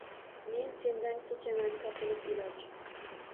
Men sendan kechaman topilib iloj